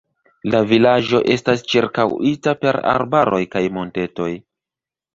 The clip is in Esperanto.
La vilaĝo estas ĉirkaŭita per arbaroj kaj montetoj.